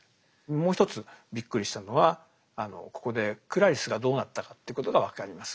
もう一つびっくりしたのはここでクラリスがどうなったかっていうことが分かります。